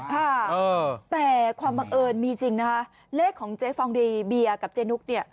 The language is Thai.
ค่ะแต่ความบังเอิญมีจริงนะคะเลขของเจ๊ฟองรีเบียร์กับเจนุ๊กเนี่ย